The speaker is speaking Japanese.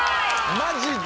マジで？